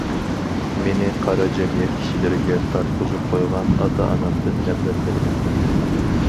مېنى قارا جەمئىيەت كىشىلىرىگە تارتقۇزۇپ قويغان ئاتا- ئانامدىن نەپرەتلىنىمەن.